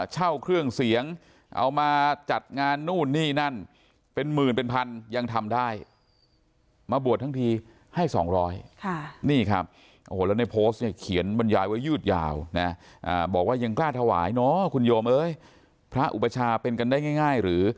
หน้ากล้าถวายนอคุณโยมเอ๊ยพระอุปชาเป็นกันได้ง่ายหรือ